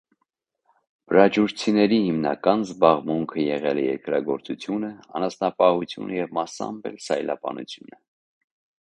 Բրաջուրեցիների հիմնական զբաղմունքը եղել է երկրագործությունը, անասնապահություը և մասամբ էլ սայլապանությունը։